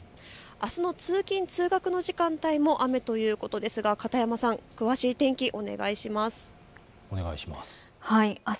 あすの通勤通学の時間帯も雨ということですが片山さん、詳しい天気をお願いします。